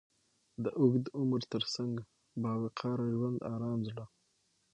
د اوږد عمر تر څنګ، با وقاره ژوند، ارام زړه،